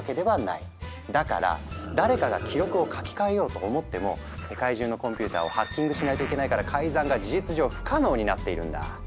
だから誰かが記録を書き換えようと思っても世界中のコンピューターをハッキングしないといけないから改ざんが事実上不可能になっているんだ。